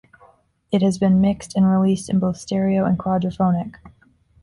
It has been mixed and released in both stereo and quadraphonic.